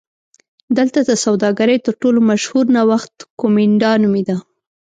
دلته د سوداګرۍ تر ټولو مشهور نوښت کومېنډا نومېده